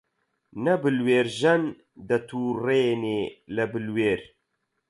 نە بلوێرژەن دەتووڕێنێ لە بلوێر